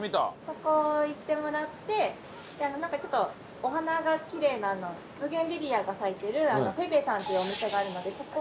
そこを行ってもらってなんかちょっとお花がきれいなブーゲンビリアが咲いてるペペさんっていうお店があるのでそこを。